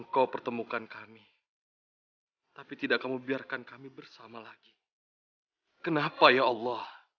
sampai jumpa di video selanjutnya